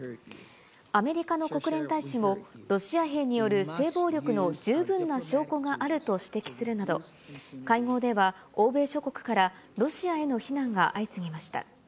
アメリカの国連大使も、ロシア兵による性暴力の十分な証拠があると指摘するなど、会合では欧米諸国からロシアへの非難が相次ぎました。